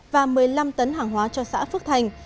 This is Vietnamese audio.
và một mươi năm tấn hàng hóa cho xã phước thành